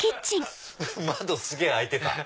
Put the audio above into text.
窓すげぇ開いてた。